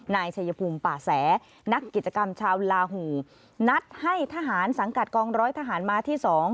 นายชัยภูมิป่าแสนักกิจกรรมชาวลาหูนัดให้ทหารสังกัดกองร้อยทหารม้าที่๒